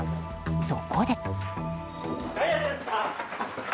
そこで。